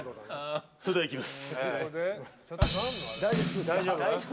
それではいきます。